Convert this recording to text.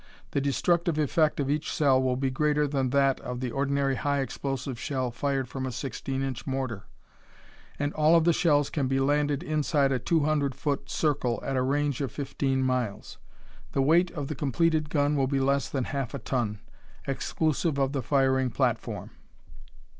The destructive effect of each shell will be greater than that of the ordinary high explosive shell fired from a sixteen inch mortar, and all of the shells can be landed inside a two hundred foot circle at a range of fifteen miles. The weight of the completed gun will be less than half a ton, exclusive of the firing platform.